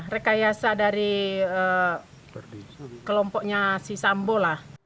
rekayasa dari kelompoknya si sambo lah